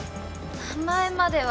名前までは。